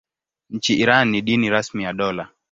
Nchini Iran ni dini rasmi ya dola.